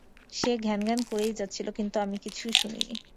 সে ঘ্যানঘ্যান করেই যাচ্ছিল কিন্তু আমি কিছু শুনিনি।